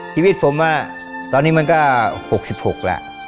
ชีวิตผมตอนนี้มันก็๖๖แล้ว